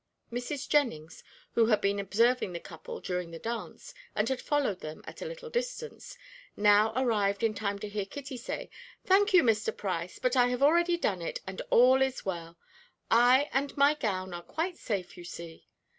Mrs. Jennings, who had been observing the couple during the dance, and had followed them at a little distance, now arrived in time to hear Kitty say: "Thank you, Mr. Price, but I have already done it; and all is well; I and my gown are quite safe, you see."